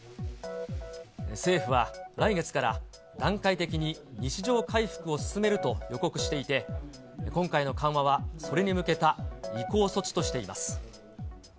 政府は来月から、段階的に日常回復を進めると予告していて、今回の緩和は、それに向けた移行措置としています。